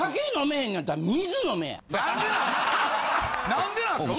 何でなんすか？